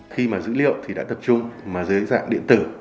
khi mà dữ liệu thì đã tập trung mà dưới dạng điện tử